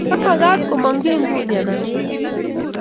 Komakat ko mong kii nguni anan koi